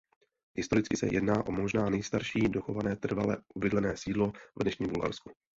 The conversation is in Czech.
Historicky se jedná o možná nejstarší dochované trvale obydlené sídlo v dnešním Bulharsku.